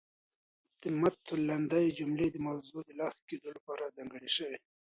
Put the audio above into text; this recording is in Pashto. د مط الندې جملې د موضوع د لاښه درک لپاره ځانګړې شوې.